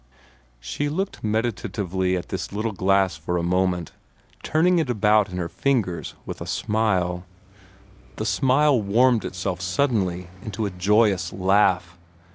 She looked meditatively at this little glass for a moment, turning it about in her fingers with a smile. The smile warmed itself suddenly into a joyous laugh.